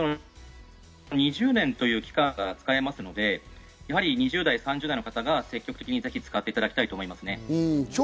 ２０年という期間使えますので、２０代、３０代の方が積極的にぜひ使っていただきたいなと思いますね。